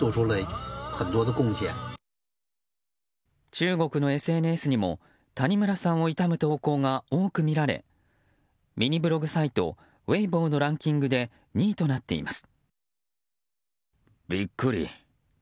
中国のＳＮＳにも谷村さんを悼む投稿が多く見られミニブログサイト、ウェイボーのランキングで２位となっています。